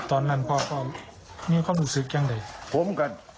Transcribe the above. ตอนนั้นพ่อก็มีความรู้สึกยังไง